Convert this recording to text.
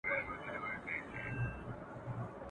د نریو اوبو مخ په بېل بندیږي !.